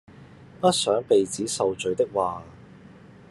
不想鼻子受罪的話